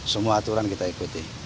semua aturan kita ikuti